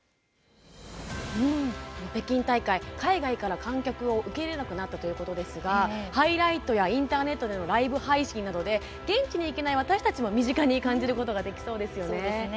北京大会、海外からの観客を受け入れなくなったということですがハイライトやインターネットからのライブ配信などで現地に行けない私たちも身近に感じることができそうですね。